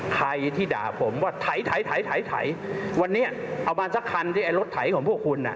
ใครที่ด่าผมว่าถ่ายนี้เอามา๑คันไตร้ของพวกคุณ